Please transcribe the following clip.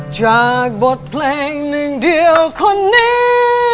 จากบทเพลงหนึ่งเดียวคนนี้